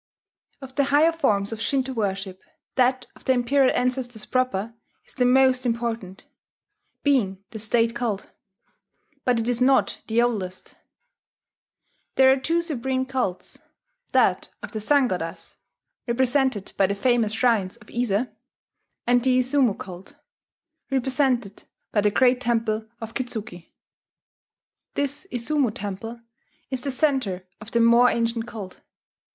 Of the higher forms of Shinto worship, that of the imperial ancestors proper is the most important, being the State cult; but it is not the oldest. There are two supreme cults: that of the Sun goddess, represented by the famous shrines of Ise; and the Izumo cult, represented by the great temple of Kitzuki. This Izumo temple is the centre of the more ancient cult.